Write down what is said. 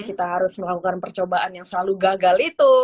kita harus melakukan percobaan yang selalu gagal itu